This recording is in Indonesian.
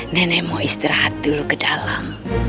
nenek mau istirahat dulu ke dalam